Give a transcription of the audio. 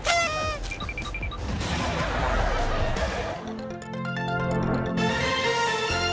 ไปเลยมากินใหม่